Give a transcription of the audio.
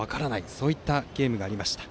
そういったゲームがありました。